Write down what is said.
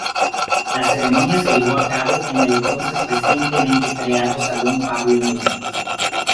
La ceremonia se llevó a cabo en el entonces recientemente creado Salón Pablo Neruda.